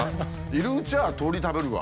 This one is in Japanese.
いるうちは鶏食べるわ。